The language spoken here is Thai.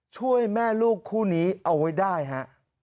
ช่วยแม่ลูกคู่นี้เอาไว้ได้ฮะ